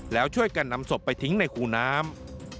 แล้วช่วยกันนำศพไปทิ้งในคูน้ำ